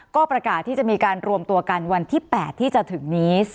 ก็ประกาศที่จะมีการรวมตัวกันวันที่๘ที่จะถึงนี้